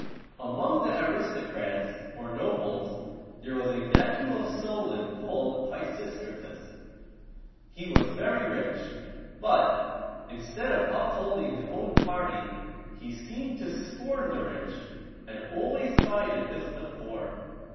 Among the aristocrats, or nobles, there was a nephew of Solon called Pi sis´tra tus. He was very rich; but, instead of upholding his own party, he seemed to scorn the rich, and always sided with the poor.